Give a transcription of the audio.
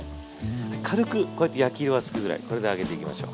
軽くこうやって焼き色がつくぐらいこれで上げていきましょう。